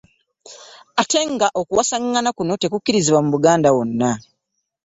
Ate nga okuwasangana kuno tekukkirizibwa mu Buganda wonna.